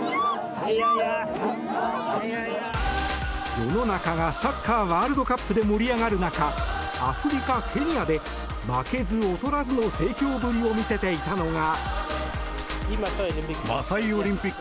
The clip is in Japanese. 世の中がサッカーワールドカップで盛り上がる中アフリカ・ケニアで負けず劣らずの盛況ぶりを見せていたのが。